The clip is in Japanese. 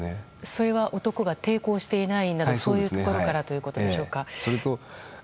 それは男が抵抗していないなどそういうところからということでしょうか？